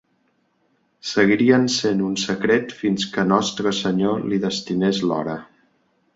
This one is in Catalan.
Seguirien sent un secret fins que Nostre Senyor li destinés l'hora